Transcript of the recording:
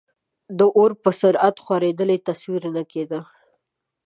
د اور په سرعت خورېدل یې تصور نه کېده.